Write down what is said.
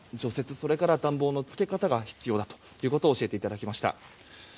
それから暖房のつけ方が必要だと教えていただきました。